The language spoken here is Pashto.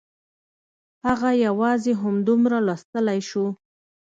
هغه یوازې همدومره لوستلی شو